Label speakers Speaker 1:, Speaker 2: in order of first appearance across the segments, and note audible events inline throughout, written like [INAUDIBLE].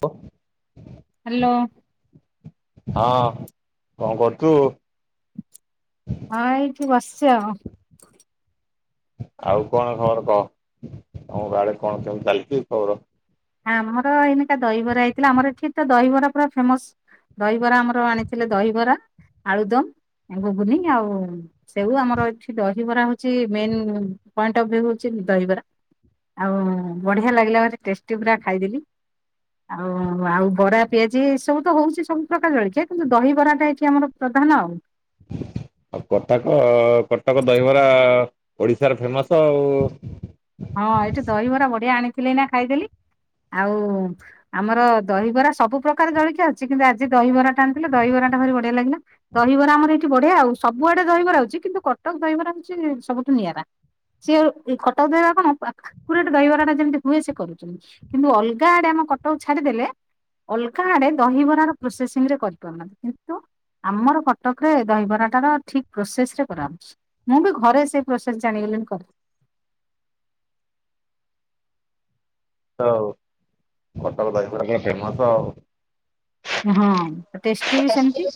Speaker 1: ବ
Speaker 2: ହ୍ୟାଲୋ।
Speaker 1: ହଁ କଣ କରୁଛୁ?
Speaker 2: ହଁ ଏଇଠି ବସିଛି ଆଉ।
Speaker 1: ଆଉ କଣ ଖବର କହ ତମ ଆଡେ କଣ କେମତି ଚାଲିଛି ଖବର?
Speaker 2: ଆମର ଏଇନିକା ଦହିବରା ହେଇଥିଲା ଆମର ଏଠି ତ ଦହିବରା ପୁରା ଫେମସ। ଦହିବରା ଆମର ଆଣିଥିଲେ ଦହିବରା ଆଳୁଦମ ଘୁଗୁନି ଆଉ ସେଉ ଆମର ଏଠି ଦହିବରା ହଉଛି ମେନ ପଏଣ୍ଟ ଅଫ ଭିୟୁ ହଉଛି ଦହିବରା ଆଉ ବଢ଼ିଆ ଲାଗିଲା ମାନେ ଟେଷ୍ଟି ପୁରା ଖାଇଦେଲି। ଆଉ ଆଉ ବରା ପିଆଜି ଏ ସବୁ ତ ହଉଛି ସବୁ ପ୍ରକାର ଜଳଖିଆ କିନ୍ତୁ ଦହିବରା ଟା ଏଠି ଆମର। ପ୍ରଧାନ ଆଉ।
Speaker 1: ଆଉ କଟକ କଟକ ଦହିବରା ଓଡିଶାର ଫେମସ ଆଉ।
Speaker 2: ହଁ ଏଇଠି ଦହିବରା ବଢିଆ ଆଣିଥିଲି ଏଇନା ଖାଇଦେଲି ଆଉ। ଆମର ଦହିବରା ସବୁ ପ୍ରକାର ଜଳଖିଆ ଅଛି କିନ୍ତୁ ଆଜି ଦହିବରା ଟା ଆଣିଥିଲେ ଦହିବରା ଟା ଭାରି ବଢିଆ ଲାଗିଲା। ଦହିବରା ଆମର ଏଇଠି ବଢିଆ ଆଉ ସବୁଆଡେ ଦହିବରା ଆଉଛି କିନ୍ତୁ କଟକ ଦହିବରା ହଉଛି ସବୁଠୁ ନିଆରା। ସିଏ କଟକ ଦହିବରା କଣ ଆକୁରେଟ ଦହିବରା ଟା ଯେମିତି ହୁଏ ସିଏ କରୁଛନ୍ତି କିନ୍ତୁ ଅଲଗା ଆଡେ ଆମ କଟକ ଛାଡିଦେଲେ ଅଲଗା ଆଡେ ଦହିବରା ପ୍ରୋସେସିଂରେ କରିପାରୁନାହାନ୍ତି କିନ୍ତୁ ଆମର କଟକରେ ଦହିବରା ଟା ର ଠିକ ପ୍ରୋସେସରେ କରାଯାଉଛି ମୁଁ ବି ଘରେ ସେଇ ପ୍ରୋସେସ ଜାଣିଗଲିଣି କରେ
Speaker 1: କଟକ ଦହିବରା ପୁରା ଫେମସ ଆଉ
Speaker 2: ହଁ ଟେଷ୍ଟି
Speaker 1: ହୁଁ
Speaker 2: ବି ସେମିତି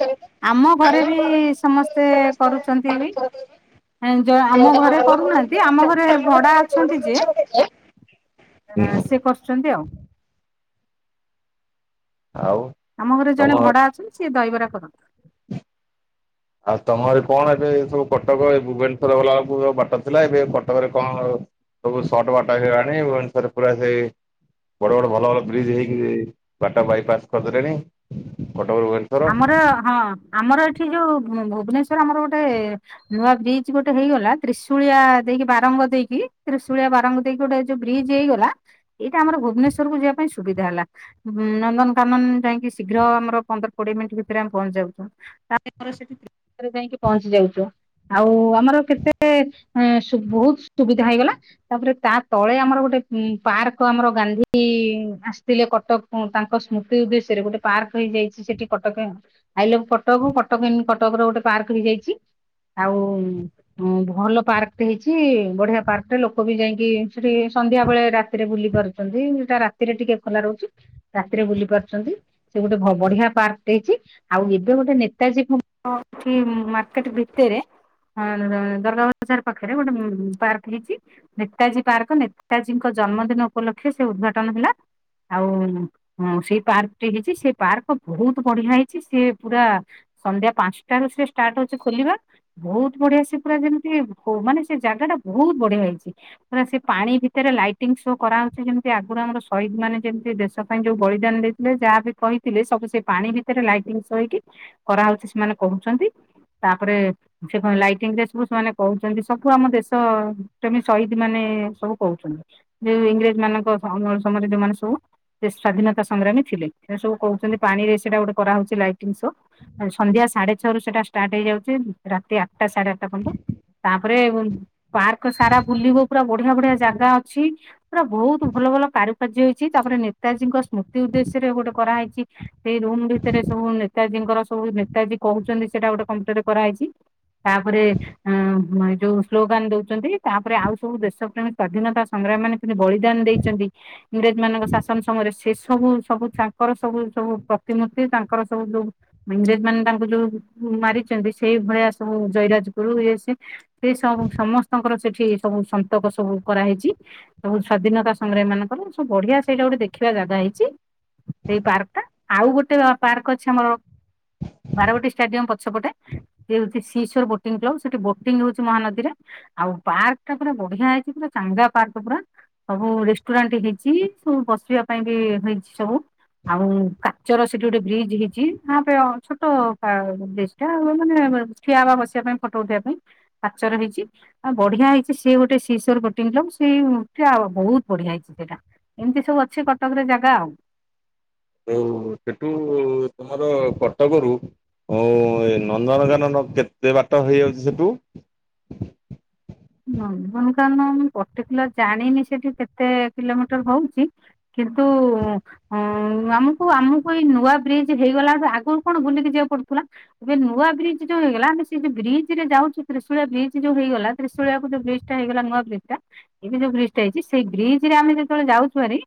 Speaker 2: ଆମ ଘରେ ବି ସମସ୍ତେ କରୁଛନ୍ତି ବି ଆମ ଘରେ କରୁନାହାନ୍ତି ଯଦି ଆମ ଘରେ ଭଡା ଅଛନ୍ତି ଯିଏ ସିଏ କରୁଛନ୍ତି ଆଉ
Speaker 1: ଆଉ
Speaker 2: ଆମ ଘରେ
Speaker 1: ତମ
Speaker 2: ଜଣେ ଭଡା ଅଛନ୍ତି ସିଏ ଦହିବରା କରନ୍ତି।
Speaker 1: ଆଉ ତମର କଣ ଏବେ ସବୁ କଟକ ଏ ଭୁବନେଶ୍ଵର ଗଲା ବେଳକୁ ବାଟ ଥିଲା ଏବେ କଟକରେ କଣ। ସବୁ ସର୍ଟ ବାଟ ହେଇଗଲାଣି ଭୁବନେଶ୍ୱରରେ ପୁରା ସେଇ। ବଡ ବଡ ଭଲ ଭଲ ବ୍ରିଜ୍ ହେଇକି ବାଟ ବାଇପାସ୍ କରିଦେଲେଣି କଟକ ରୁ ଭୁବନେଶ୍ୱର।
Speaker 2: ଆମର ହଁ ଆମର ଏଠି ଯୋଉ ଭୁବନେଶ୍ୱର ଆମର ଗୋଟେ ନୂଆ ବ୍ରିଜ ଗୋଟେ ହେଇଗଲା ତ୍ରିଶୁଳିଆ ଦେଇକି ବାରଙ୍ଗ ଦେଇକି ତ୍ରିଶୁଳିଆ ବାରଙ୍ଗ ଦେଇକି ଗୋଟେ। ଯୋଉ ବ୍ରିଜ୍ ହେଇଗଲା। ଏଇଟା ଆମର ଭୁବନେଶୂରକୁ ଯିବା ପାଇଁ ସୁବିଧା ହେଲା ନନ୍ଦନକାନନ ଯାଇକି ଶୀଘ୍ର ଆମର ପନ୍ଦ କୋଡିଏ ମିନିଟ୍ ଭିତରେ ଆମେ ପହଞ୍ଚି ଯାଉଛୁ ତା ସେଠି ଯାଇକି ପହଞ୍ଚି ଯାଉଛୁ ଆଉ ଆମର କେତେ ସୁ ବହୁତ ସୁବିଧା ହେଇଗଲା ତାପରେ ତା ତଳେ ଆମର ଗୋଟେ ଉଁ ପାର୍କ ଆମର ଗାନ୍ଧୀ ଆସିଥିଲେ କଟକ। ହୁଁ ତାଙ୍କ ସ୍ମୃତି ଉଦ୍ଦେଶ୍ୟରେ ଗୋଟେ ପାର୍କ ହେଇଯାଇଛି ସେଠି। କଟକ ଆଇଲେ କଟକ କୁ କଟକ କଟକରେ ଗୋଟେ ପାର୍କ ହେଇଯାଇଛି ଆଉ। ଉଁ ଭଲ ପାର୍କଟେ ହେଇଛି ବଢିଆ ପାର୍କଟେ ଲୋକ ବି ଯାଇକି ସେଠି ସନ୍ଧ୍ୟା ବେଳେ ରାତିରେ ବୁଲି ପାରୁଛି ସେଇଟା ରାତିରେ ଟିକେ ଖୋଲା ରହୁଛି ରାତିରେ ବୁଲି ପାରୁଛନ୍ତି ସେ ଗୋଟେ ବଢିଆ ପାର୍କ ହେଇଛି ଆଉ ଏବେ ଗୋଟେ ନେତାଜୀ କୁମ୍ବ ମାର୍କଟେ ଭିତରେ ହଁ ଦରଗଜାର ପାଖରେ ଗୋଟେ ପାର୍କ ଉଁ ହେଇଛି ନେତାଜୀ ପାର୍କ ନେତାଜୀଙ୍କ ଜନ୍ମଦିନ ଉପଲକ୍ଷେ ସେ ଉଦ୍ଘାଟନ ହେଲା। ଆଉ ଉଁ ସେଇ ପାର୍କଟି ହେଇଛି ସେ ପାର୍କ ବହୁତ ବଢିଆ ହେଇଛି ସିଏ ପୁରା ସନ୍ଧ୍ୟା ପାଞ୍ଚଟାରୁ ସେ ଷ୍ଟାର୍ଟ ହଉଛି ଖୋଲିବା। ବହୁତ ବଢିଆ ସେ ପୁରା ଯେମିତି ମାନେ ସେ ଜାଗାଟା ବହୁତ ବଢିଆ ହେଇଛି। ପୁରା ସେ ପାଣି ଭିତରେ ଲାଇଟିଂ ସୋ କରାହାଉଛି। ଯେମିତି ଆଗରୁ ଆମର ଶହୀଦ ମାନେ ଯେମିତି ଦେଶ ପାଇଁ ଯୋଉ ବଳିଦାନ ଦେଇ ସେ ଯାହା ବିି କହିଥିଲେ ସବୁ ସେ ପାଣି ଭିତରେ ଲାଇଟିଙ୍ଗ ସୋ ହେଇକି କରାହେଉଛି ସେମାନେ କହୁଛନ୍ତି। ତା ପରେ ସେ କଣ ଲାଇଟିଙ୍ଗ ରେ ସବୁ ସେମାନେ କହୁଛନ୍ତି ସବୁ ଆମ ଦେଶ ପ୍ରେମି ସହିଦ ମାନେ ସବୁ କହୁଛନ୍ତି। ଯୋଉ ଇଂରେଜ ମାନଙ୍କ ସମ ସମ ରେ ଯୋଉମାନେ ସବୁ। ସେ ସ୍ଵାଧୀନତା ସଂଗ୍ରାମୀ ଥିଲେ। ସେ ସବୁ କହୁଛନ୍ତି ପାଣି ରେ ସେଇଟା ଗୋଟେ କରାହଉଛି ଲାଇଟିଙ୍ଗ ସୋ। ସନ୍ଧ୍ୟା ସାଢେ ଛଅ ରୁ ସେଟା ଷ୍ଟାର୍ଟ ହେଇଯାଉଛି ରାତି ଆଟଟା ସାଢେ ଆଟଟା ପର୍ଯ୍ୟନ୍ତ। ତାପରେ ପାର୍କ ସାରା ବୁଲିବୁ ପୁରା ବଢିଆ ବଢିଆ ଜାଗା ଅଛି। ପୁରା ବହୁତ ଭଲ ଭଲ କାରୁକାର୍ଯ୍ୟ ହେଇଛି ତାପରେ ନେତାଜୀଙ୍କ ସ୍ମୃତି ଉଦ୍ଦେଶ୍ୟ ରେ ଗୋଟେ କରାହେଇଛି। ସେଇ ରୁମ ଭିତରେ ସବୁ ନେତାଜୀଙ୍କର ସବୁ ନେତାଜୀ କହୁଛନ୍ତି ସେଇଟା ଗୋଟେ କମତି ଗୋଟେ କରାହେଇଛି। ତାପରେ ଉଁ ଯୋଉ ସ୍ଲୋଗାନ ଦଉଛନ୍ତି। ତାପରେ ଆଉ ସବୁ ଦେଶ ପ୍ରେମୀ ସ୍ଵାଧୀନତା ସଂଗ୍ରାମ ମାନେ ବଳିଦାନ ଦେଇଚନ୍ତି ଇଂରେଜ ମାନଙ୍କ ଶାସନ ସମୟରେ ସେ ସବୁ ସବୁ ତାଙ୍କର ସବୁ ସବୁ ପ୍ରତିମୂର୍ତ୍ତି ତାଙ୍କର ସବୁ ଯୋଉ ଇଂରେଜ ମାନେ ତାଙ୍କୁ ଯୋଉ ମାରିଛନ୍ତି ସେଇଭଳିଆ ସବୁ ଜୟରାଜଗୁରୁ ଇଏ ସିଏ। ସେ ସବୁ ସମସ୍ତଙ୍କର ସେଠି ସବୁ ସନ୍ତକ ସବୁ କରାହେଇଛି। ସବୁ ସ୍ୱାଧୀନତା ସଂଗ୍ରାମି ମାନଙ୍କର ସବୁ ବଢିଆ ସେଇଟା ଗୋଟେ ଦେଖିବା ଜାଗା ହେଇଛି। ଏଇ ପାର୍କ ଟା। ଆଉ ଗୋଟେ ପାର୍କ ଅଛି ଆମର। ବାରବାଟୀ ଷ୍ଟାଡିୟମ ପଛପଟେ। [INAUDIBLE] ସି ସୋର ବୋଟିଂ କ୍ଲବ ସେଠି ବୋଟିଂ ହଉଛି ମହାନଦୀରେ। ଆଉ ପାର୍କ ଟା ପୁରା ବଢିଆ ହେଇଛି ପୁରା ଚାଙ୍ଗା ପାର୍କ ପୁରା। ସବୁ ରେଷ୍ଟୁରାଣ୍ଟ ହେଇଛି ସବୁ ବସିବା ପାଇଁ ବି ହେଇଛି ସବୁ। ଆଉ ଚର ସେଠି ଗୋଟେ ବ୍ରିଜ୍ ହେଇଛି ହଁପେ ଛୋଟ ପା ବ୍ରିଜ ଟା ମାନେ ଏ। ଠିଆ ହବା ବସିବା ପାଇଁ ଫଟୋ ଉଠେଇବା ପାଇଁ ପାଚର ହେଇଛି। ଆଉ ବଢିଆ ହେଇଛି ସେ ଗୋଟେ ଶିଶର ବୋଟିଂଲ ସେଇ ବହୁତ ବଢିଆ ହେଇଛି ସେଇଟା। ଏମତି ସବୁ ଅଛି କଟକରେ ଜାଗା ଆଉ।
Speaker 1: ଆଉ ସେଠୁ ଉ ତମର କଟକରୁ ଅ ଉ ନନ୍ଦନକାନନ କେତେ ବାଟ ହେଇଯାଉଛି ସେଠୁ?
Speaker 2: ନନ୍ଦନକାନନ୍ ମୁଁ ପର୍ଟିକୁଲାର ଜାଣିନି ସେଠି କେତେ କିଲୋମିଟର ହଉଛି। କିନ୍ତୁ ହଁ ଆମକୁ ଆମକୁ ଏଇ ନୂଆ ବ୍ରିଜ ହେଇଗଲା ଆଗରୁ କଣ ବୁଲିକି ଯିବାକୁ ପଡୁଥିଲା। ଏବେ ନୂଆ ବ୍ରିଜ୍ ଯୋଉ ହେଇଗଲା ଆମେ ସେ ଯୋଉ ବ୍ରିଜ ରେ ଯାଉଛୁ ତ୍ରିଶୁଳିଆ ବ୍ରିଜ୍ ଯୋଉ ହେଇଗଲା। ତ୍ରିଶୁଳିଆ କୁ ଯୋଉ ବ୍ରିଜ୍ ଟା ହେଇଗଲା ନୂଆ ବ୍ରିଜ୍ ଟା। ଏବେ ଜଉ ବ୍ରିଜ୍ ଟା ହେଇଚି ସେଇ ବ୍ରିଜ ରେ ଆମେ ଯେତେବେଳେ ଯାଉଛୁ ଭାରି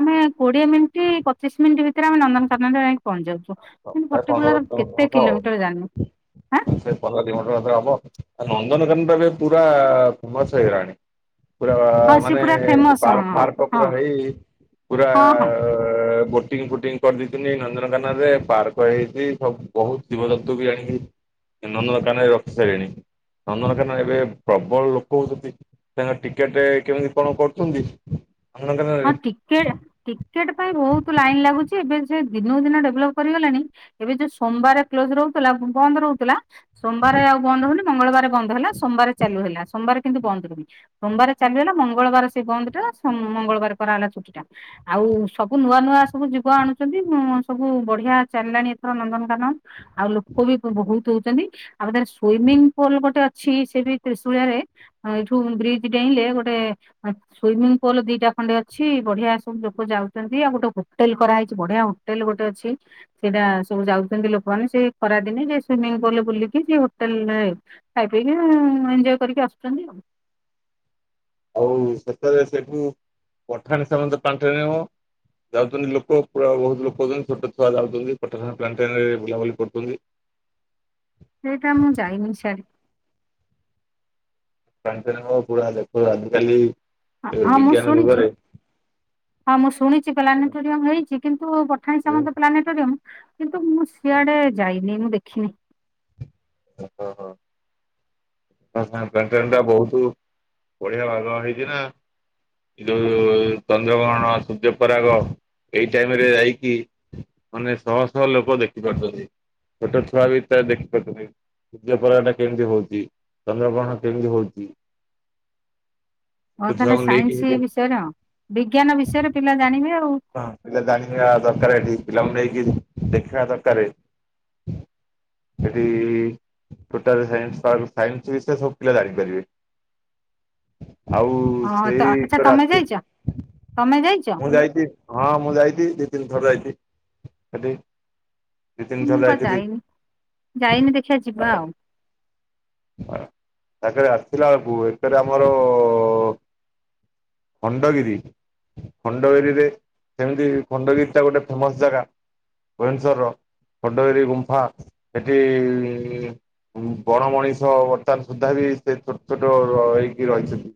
Speaker 2: ଆମେ କୋଡିଏ ମିନିଟ୍ ପଚିଶ ମିନିଟ୍ ଭିତରେ ଆମେ ନନ୍ଦନକାନନ୍ ରେ ଯାଇକି ପହଞ୍ଚି ଯାଉଛୁ। ହୁଁ
Speaker 1: ପ୍ରାୟ ପନ୍ଦର
Speaker 2: ପର୍ଟିକୁଲାର କେତେ କିଲୋମିଟର ଜାଣିନୁ।
Speaker 1: [INAUDIBLE] ନନ୍ଦନକାନୀଟା ଏ ପୁରା ଫେମସ ହେଇ ଗଲାଣି। ପୁରା
Speaker 2: ହଁ ସେ
Speaker 1: ମାନେ
Speaker 2: ପୁରା ଫେମସ ହଁ
Speaker 1: ପାର୍କ ଫାର୍କ
Speaker 2: ହଁ
Speaker 1: ପୁରା ହେଇ ପୁରା
Speaker 2: ହଁ ହଁ ହଁ
Speaker 1: ଆ ବୋଟିଂ ଫୋଟିଂ କରିଦେଇଛନ୍ତି ନନ୍ଦନକାନନ୍ ରେ। ପାର୍କ ହେଇଛି। ବହୁତ ଜୀବଜନ୍ତୁ ବି ଆଣିକି ନନ୍ଦନକାନନ ରେ ରଖି ସାରିଲେନି। ନନ୍ଦନକାନନ ରେ ଏବେ ପ୍ରବଳ ଲୋକ ହଉଛନ୍ତି। ତାର ଟିକେଟ କେମିତି କଣ କରୁଛନ୍ତି?
Speaker 2: ହଁ
Speaker 1: ନନ୍ଦନକାନନରେ
Speaker 2: ଟିକେ ଟିକେଟ ପାଇଁ ବହୁତ ଲାଇନ୍ ଲାଗୁଛି ଏବେ ସେ ଦିନକୁ ଦିନ ଡେଭଲପ୍ କରିଗଲାଣି। ଏବେ ଯୋଉ ସୋମବାର କ୍ଲୋଜ ରହୁଥିଲା ବନ୍ଦ ରହୁଥିଲା। ସୋମବାର ଆଉ ବନ୍ଦ ହଉନି ମଙ୍ଗଳବାର ବନ୍ଦ ହେଲା ସୋମବାର ଚାଲୁ ହେଲା ସୋମବାର କିନ୍ତୁ ବନ୍ଦ ରହୁନି। ସୋମବାର ଚାଲିଗଲା ମଙ୍ଗଳବାର ସେ ବନ୍ଦ ଟା ସୋମ ମଙ୍ଗଳବାର କରାହେଲା ଛୁଟି ଟା। ଆଉ ସବୁ ନୂଆ ନୂଆ ସବୁ ଯୁବ ଆଣୁଛନ୍ତି। ସବୁ ବଢିଆ ଚାଲିଲାଣି ଏଥର ନନ୍ଦନକାନନ। ଆଉ ଲୋକ ବି ବ ବୋ ବୋହୁତ ହଉଛନ୍ତି। ଆଉ ସେଟା ସୁଇମିଙ୍ଗ ପୁଲ ଗୋଟେ ଅଛି ସେ ବି ତ୍ରିଶୁଳିଆରେ ଏଇଠୁ ବ୍ରିଜ ଡେଇଁଲେ ଗୋଟେ ସୁଇମିଙ୍ଗ ପୋଲ ଦିଟା ଖଣ୍ଡେ ଅଛି ବଢିଆ ସବୁ ଲୋକ ଯାଉଛନ୍ତି। ଆଉ ଗୋଟେ ହୋଟେଲ କରାହେଇଛି। ବଢିଆ ହୋଟେଲ ଗୋଟେ ଅଛି। ସେଟା ସବୁ ଯାଉଛନ୍ତି ଲୋକମାନେ ସେ ଖରାଦିନେ ଯେ ସୁଇମିଙ୍ଗ ପୋଲ୍ ରେ ବୁଲିକି ସେ ହୋଟେଲରେ ଖାଇ ପଇକି ଏଞ୍ଜୟ କରିକି ଆସୁଚନ୍ତି ଆଉ।
Speaker 1: ଆଉ ଶେଷରେ ସେଠୁ ପଠାଣି ସାମନ୍ତ ପ୍ଲାଣ୍ଟେନ୍ ନେବ ଯାଉଛନ୍ତି ଲୋକ ପୁରା ବୋହୁତ ଲୋକ ହେଉଛନ୍ତି। ଛୋଟ ଛୁଆ ଯାଉଛନ୍ତି ପଠାଣି ସାମନ୍ତ ପ୍ପ୍ଲାଣ୍ଟେନରେ ବୁଲାବୁଲି କରୁଚନ୍ତି।
Speaker 2: ସେଇଟା ମୁଁ ଯାଇନି ସିଆଡେ।
Speaker 1: ପ୍ଲାଣ୍ଟେନର ପୁରା ଦେଖ ଆଜିକାଲି
Speaker 2: ହଁ ହଁ ମୁଁ
Speaker 1: ବିଜ୍ଞାନ
Speaker 2: ଶୁଣିଚି।
Speaker 1: ଯୁଗରେ
Speaker 2: ହଁ ମୁଁ ଶୁଣିଚି ପ୍ଲାନେଟୋରିୟମ ହେଇଛି। କିନ୍ତୁ ପଠାଣି ସାମନ୍ତ ପ୍ଲାନେଟୋରିୟମ୍। କିନ୍ତୁ ମୁଁ ସିଆଡେ ଯାଇନି ମୁଁ ଦେଖିନି।
Speaker 1: ଓହୋ ହଁ। ପ୍ଲାଣ୍ଟେନ୍ ଟା ବୋହୁତ ବଢିଆ ବାଗ ହେଇଛି ନା। ଯୋଉ ଚନ୍ଦ୍ରଗ୍ରହଣ ସୂର୍ଯ୍ୟପରାଗ ଏଇ ଟାଇମ୍ ରେ ଯାଇକି ମାନେ ଶହ ଶହ ଲୋକ ଦେଖିପାରୁଛନ୍ତି। ଛୋଟ ଛୁଆ ବି ତ ଦେଖିପାରୁଛନ୍ତି। ସୂର୍ଯ୍ୟପରାଗଟା କେମିତି ହଉଚି ଚନ୍ଦ୍ରଗ୍ରହଣ କେମିତି ହଉଚି।
Speaker 2: ହଉ ତାଲେ ସାଇନ୍ସ ବିଷୟରେ ହଁ ବିଜ୍ଞାନ ବିଷୟରେ ପିଲା ଜାଣିବେ ଆଉ।
Speaker 1: ହଁ ପିଲା ଜାଣିବା ଦରକାର ଏଠି ପିଲାଙ୍କୁ ନେଇକି ଦେଖିବା ଦରକାରେ। ସେଠି ଟୋଟାଲ ସାଇନ୍ସ ପାର୍କ ସାଇନ୍ସ ବିଷୟରେ ସବୁ ପିଲା ଜାଣିପାରିବେ। ଆଉ
Speaker 2: ହଁ ତ
Speaker 1: ସେଇ
Speaker 2: ଆଚ୍ଛା
Speaker 1: [UNINTELLIGIBLE]
Speaker 2: ତମେ
Speaker 1: ଆସେ
Speaker 2: ଯାଇଛ ତମେ ଯାଇଛ
Speaker 1: ମୁଁ ଯାଇଚି। ହଁ ମୁଁ ଯାଇଚି ଦୁଇ ତିନି ଥର ଯାଇଚି ସେଠି। ଦି ତିନିଥର
Speaker 2: ମୁଁ ବା
Speaker 1: ଯାଇଥିଲି
Speaker 2: ଯାଇନି, ଯାଇନି ଦେଖିଆ ଯିବା ଆଉ।
Speaker 1: ହଁ ତାକରେ ଆସିଲା ବେଳକୁ ଏଥିରେ ଆମର ଖଣ୍ଡଗିରି। ଖଣ୍ଡଗିରିରେ କେମିତି ଖଣ୍ଡଗିରିଟା ଗୋଟେ ଫେମସ୍ ଜାଗା ଭୁବନେଶ୍ୱରର। ଖଣ୍ଡଗିରି ଗୁମ୍ଫା ସେଠି ବଣମଣିଷ ବର୍ତ୍ତମାନ ସୁଦ୍ଧା ବି ସେ ଛୋଟ ଛୋଟ ହେଇକି ରହିଛନ୍ତି।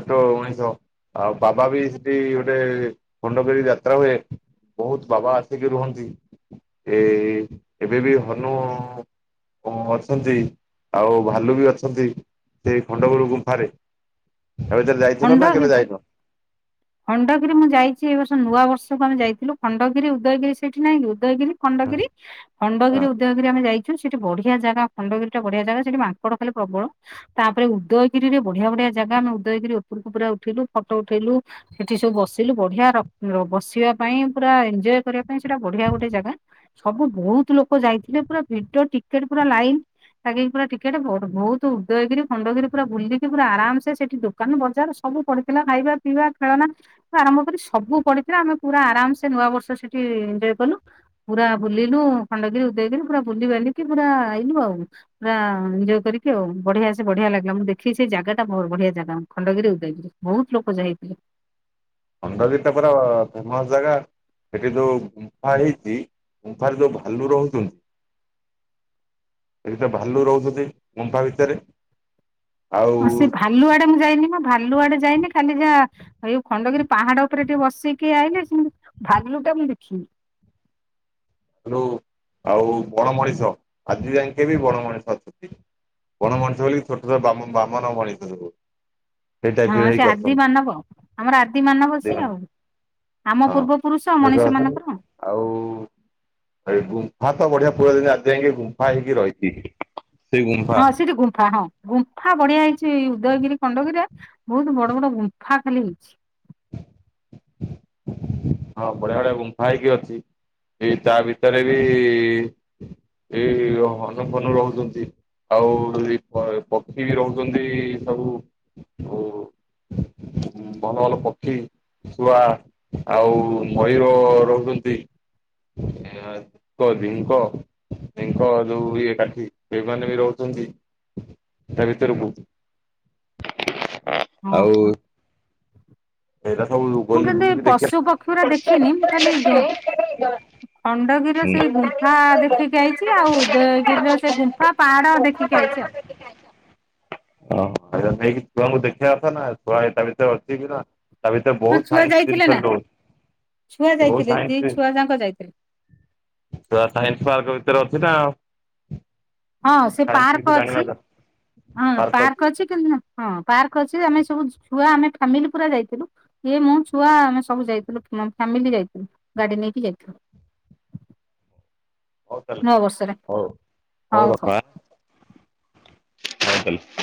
Speaker 1: ଛୋଟ ମଣିଷ ଆଉ ବାବା ବି ସେଠି ଗୋଟେ ଖଣ୍ଡଗିରି ଯାତ୍ରା ହୁଏ। ବୋହୁତ୍ ବାବା ଆସିକି ରୁହନ୍ତି। ଏ ଏବେ ବି ହନୁ ଅ ଅଛନ୍ତି। ଆଉ ଭାଲୁ ବି ଅଛନ୍ତି ସେଇ ଖଣ୍ଡଗୁରୁ ଗୁମ୍ଫାରେ। ଏ ଭିତରେ ଯାଇଥିଲ ନା
Speaker 2: ଷଣ୍ଢ
Speaker 1: କେବେ ଯାଇନ?
Speaker 2: ଖଣ୍ଡଗିରି ମୁଁ ଯାଇଛି ଏ ବର୍ଷ ନୂଆ ବର୍ଷକୁ ଆମେ ଯାଇଥିଲୁ। ଖଣ୍ଡଗିରି, ଉଦୟଗିରି ସେଠି ନାହିଁ କି ଉଦୟଗିରି ଖଣ୍ଡଗିରି
Speaker 1: ହଁ
Speaker 2: ଖଣ୍ଡଗିରି ଉଦୟଗିରି ଆମେ ଯାଇ ଛୁ ସେଠି ବଢିଆ ଜାଗା ଖଣ୍ଡଗିରି ଟା ବଢିଆ ଜାଗା ସେଠି ମାଙ୍କଡ ଖାଲି ପ୍ରବଳ। ତାପରେ ଉଦୟଗିରିରେ ବଢିଆ ବଢିଆ ଜାଗା ଆମେ ଉଦୟଗିରି ଉପରକୁ ପୁରା ଉଠିଲୁ। ଫଟୋ ଉଠେଇଲୁ ସେଠି ସବୁ ବସିଲୁ ବଢିଆ ର ବସିବା ପାଇଁ ପୁରା ଏଞ୍ଜୟ୍ କରିବା ପାଇଁ ସେଟା ବଢିଆ ଗୋଟେ ଜାଗା। ସବୁ ବୋହୁତ୍ ଲୋକ ଯାଇଥିଲେ। ପୁରା ଭିଡ ଟିକେଟ୍ ପୁରା ଲାଇନ୍। ଲାଗିକି ପୁରା ଟିକେଟେ ବୋହୁତ ଉଦୟଗିରି ଖଣ୍ଡଗିରି ପୁରା ବୁଲିକି ପୁରା ଆରାମସେ ସେଠି ଦୋକାନ ବଜା ଯାର ସବୁ ପଡିଥିଲା ଖାଇବା ପିଇବା ଖେଳନା ଠୁ ଆରମ୍ଭ କରି ସବୁ ପଡିଥିଲା ଆମେ ପୁରା ଆରାମସେ ନୂଆ ବର୍ଷ ସେଠି ଏଞ୍ଜୟ୍ କଲୁ। ପୁରା ବୁଲିଲୁ ଖଣ୍ଡଗିରି ଉଦୟଗିରି ପୁରା ବୁଲି ବାଲିକି ପୁରା ଆଇଲୁ ଆଉ। ପୁରା ଏଞ୍ଜୟ୍ କରିକି ଆଉ ବଢିଆ ସେ ବଢିଆ ଲାଗିଲା ମୁଁ ଦେଖିଲି ସେ ଜାଗାଟା ଭ ବଢିଆ ଜାଗା। ଖଣ୍ଡଗିରି ଉଦୟଗିରି ବହୁତ୍ ଲୋକ ଯାଇଥିଲେ।
Speaker 1: ଖଣ୍ଡଗିରିଟା ପୁରା ଫେମସ୍ ଜାଗା। ସେଠି ଯୋଉ ଗୁମ୍ଫା ହେଇଛି ଗୁମ୍ଫାରେ ଯୋଉ ଭାଲୁ ରହୁଚନ୍ତି ସେଠି ତ ଭାଲୁ ରହୁଛନ୍ତି ଗୁମ୍ଫା ଭିତେରେ।
Speaker 2: ସେ ଭାଲୁ ଆଡେ ମୁଁ ଯାଇନି ନା ଭାଲୁ ଆଡେ ଯାଇନି ଖାଲି ଯାହା ଆଉ ଏଉ ଖଣ୍ଡଗିରି ପାହାଡ ଉପରେ ଟିକେ ବସିକି ଆଇଲି, ସେମିତି ଭାଲୁ ଟା ମୁଁ ଦେଖିନି।
Speaker 1: ହାଲୁ ଆଉ ବଣ ମଣିଷ ଆଜି ଜାଙ୍କେ ବି ବଣ ମଣିଷ ଅଛନ୍ତି। ବଣ ମଣିଷ ବୋଲି ଛୋଟ-ଛୋଟ ବାମନ ମଣିଷ ସବୁ। ସେଇ ଟାଇପ୍
Speaker 2: ହଁ
Speaker 1: ର
Speaker 2: ସେ
Speaker 1: ହେଇକି
Speaker 2: ଆଦି
Speaker 1: ଅଛନ୍ତି।
Speaker 2: ମବ ଆମର ଆଦି ମାନବ ସିଏ ଆଉ। ଆମ
Speaker 1: ହଁ
Speaker 2: ପୂର୍ବ ପୁରୁଷ
Speaker 1: ସେଗୁରା
Speaker 2: ମଣିଷ
Speaker 1: ଅଛନ୍ତି
Speaker 2: ମାନଙ୍କର
Speaker 1: ଆଉ ଗୁମ୍ଫା ତ ବଢିଆ ପୁରା ଦିନ ଆଜି ଯାଇକି ଗୁମ୍ଫା ହେଇକି ରହିଛି। ସେଇ ଗୁମ୍ଫା
Speaker 2: ହଁ ସେଠି ଗୁମ୍ଫା ହଁ। ଗୁମ୍ଫା ବଢିଆ ହେଇଛି ଉଦୟଗିରି ଖଣ୍ଡଗିରିରେ ବହୁତ ବଡ ବଡ ଗୁମ୍ଫା ଖାଲି ହେଇଛି।
Speaker 1: ହଁ ବଢିଆ ବଢଆ ଗୁମ୍ଫା ହେଇକି ଅଛି ଏଇ ତା ଭିତରେ ବି ଏଇ ହନୁ ଫନୁ ରହୁଛନ୍ତି। ଆଉ ପକ୍ଷୀ ବି ରହୁଛନ୍ତି ସବୁ ଆ ଭଲ ଭଲ ପକ୍ଷୀ ଛୁଆ ଆଉ ମୟୂର ରହୁଛନ୍ତି। ିଙ୍କ ଢିଙ୍କ ଯୋଉ ଇଏ କାଠି ସେଇମାନେେ ବି ରହୁଛନ୍ତି। ତା ଭିତରେ ବହୁ
Speaker 2: ହଁ ହଁ।
Speaker 1: ସେଇଟା ସବୁ
Speaker 2: ମୁଁ
Speaker 1: ଗଲି
Speaker 2: କିନ୍ତୁ ଏ
Speaker 1: ବୁଲିକି ଦେଖିବା।
Speaker 2: ପଶୁ ପକ୍ଷୀୁର ଦେଖିନି ମୁଁ ଖାଲି ଯୋଉ ଖଣ୍ଡଗିରି ର
Speaker 1: ହୁଁ।
Speaker 2: ସେଇ ଗୁମ୍ଫା ଦେଖିକି ଯାଇଛି ଆଉ ଉଦୟଗିରି ର ସେ ଗୁମ୍ଫା ପାହାଡ ଦେଖିକି ଆଇଛି ଆଉ।
Speaker 1: ଓହୋ ଏଇଟା ନେଇକି ଛୁଆଙ୍କୁ ଦେଖିବା କଥା ନା ଛୁଆ ଏଇଟା ଭିତୟରେ ଅଛି କି ନା ତା ଭିତରେ
Speaker 2: ହଁ
Speaker 1: ବହୁତ
Speaker 2: ଛୁଆ
Speaker 1: ସାଇନ୍ସ
Speaker 2: ଯାଇଥିଲେ
Speaker 1: ଜିନିଷ
Speaker 2: ନା ଛୁଆ
Speaker 1: ରଛି ବହୁତ
Speaker 2: ଯାଇଥିଲେ ଦି
Speaker 1: ସାଇନ୍ସ ଜଷ
Speaker 2: ଛୁଆ ଯାଙ୍କ ଯାଇଥିଲେ
Speaker 1: ସୋ ସାଇନ୍ସ ପାର୍କ ଭିତରେ ଅଛି ନା।
Speaker 2: ହଁ ସେ
Speaker 1: ସାଇନ୍ସ ବିଷୟରେ
Speaker 2: ପାର୍କ
Speaker 1: ଜାଣିବା
Speaker 2: ଅଛି ହଁ ପାର୍କ ଅଛି। ହଁ ପାର୍କ ଅଛି ଆମେ ସବୁ ଛୁଆ ଆମେ ଫାମିଲି ପୁରା ଯାଇଥିଲୁ। ଏ ମୋ ଛୁଆ ଆମେ ସବୁ ଯାଇଥିଲୁ ଫ୍ୟାମିଲି ଯାଇଥିଲୁ ଗାଡି ନେଇକି ଯାଇଥିଲୁ।
Speaker 1: ହଉ ତାଲ
Speaker 2: ନୂଆ ବର୍ଷରେ
Speaker 1: ହଉ
Speaker 2: ହଉ ହଉ।
Speaker 1: ହଉଦପ ହଉ ତାଲ।